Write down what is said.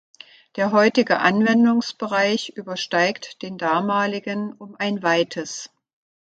Der heutige Anwendungsbereich übersteigt den damaligen um ein Weites.